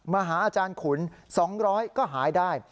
มาหาอาจารย์ขุน๒๐๐ก็หายได้